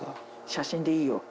写真でいいよ